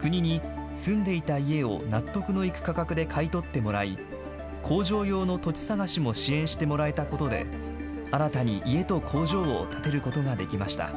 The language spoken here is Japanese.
国に住んでいた家を納得のいく価格で買い取ってもらい、工場用の土地探しも支援してもらえたことで、新たに家と工場を建てることができました。